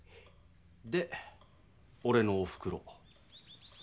でおれのおふくろ。